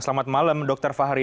selamat malam dokter fahri